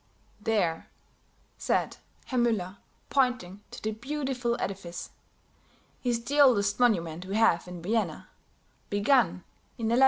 "There," said Herr Müller, pointing to the beautiful edifice, "is the oldest monument we have in Vienna, begun in 1144.